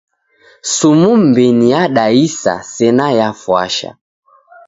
Sumu m'mbinyi yadaisa sena yafwasha.